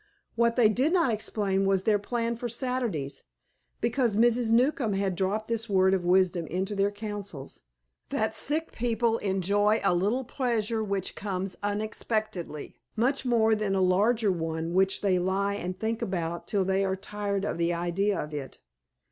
What they did not explain was their plan for the Saturdays, because Mrs. Newcombe had dropped this word of wisdom into their counsels, that sick people enjoy a little pleasure which comes unexpectedly, much more than a larger one which they lie and think about till they are tired of the idea of it.